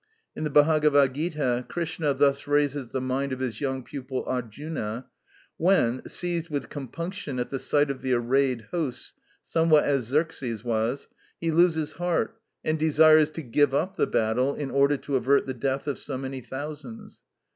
In the "Bhagavad Gita" Krishna thus raises the mind of his young pupil Arjuna, when, seized with compunction at the sight of the arrayed hosts (somewhat as Xerxes was), he loses heart and desires to give up the battle in order to avert the death of so many thousands.